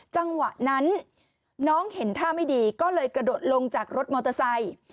จังหวะนั้นน้องเห็นท่าไม่ดีก็เลยกระโดดลงจากรถมอเตอร์ไซค์